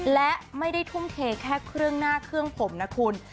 และไม่ได้ทุ่มเทแค่เครื่องหน้าเครื่องผมนะคุณ